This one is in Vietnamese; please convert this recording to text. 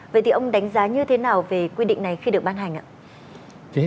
vậy thì ông đánh giá như thế nào về quy định này khi được ban hành ạ